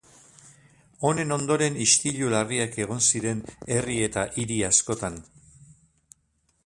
Honen ondoren istilu larriak egon ziren herri eta hiri askotan.